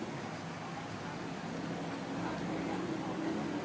โปรดติดตามต่อไป